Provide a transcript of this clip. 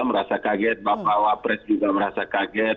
merasa kaget bapak wapres juga merasa kaget